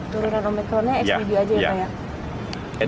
dururan ometronnya xbb aja ya pak